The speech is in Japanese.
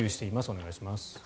お願いします。